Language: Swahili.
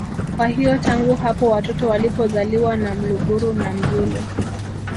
Kwa hiyo tangu hapo watoto walipozaliwa na mluguru na mzulu